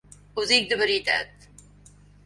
Ho dic de veritat.